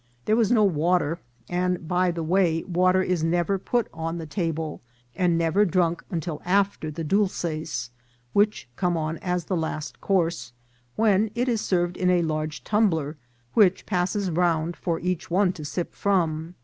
There was no water, and, by the way, water is never put on the table, and never drunk until after the dolces, which come on as the last course, when it is served in a large tumbler, which passes round for each one to sip from.